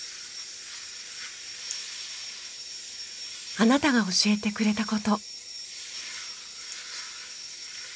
あなたが教えてくれた事。